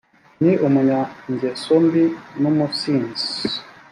ni umunyangeso mbi n’umusinzi!»